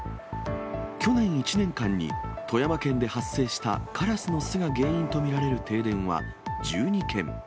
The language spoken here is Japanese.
去年１年間に富山県で発生したカラスの巣が原因と見られる停電は１２件。